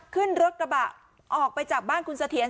ขึ้นรถกระบะออกไปจากบ้านคุณเสถียร